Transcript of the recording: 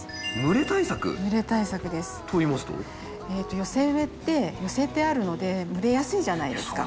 寄せ植えって寄せてあるので蒸れやすいじゃないですか。